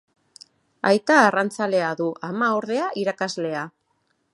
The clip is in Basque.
Aita arrantzalea du; ama, ordea, irakaslea.